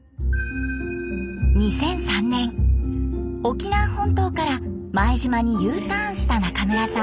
２００３年沖縄本島から前島にＵターンした中村さん。